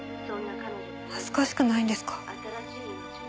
恥ずかしくないんですか？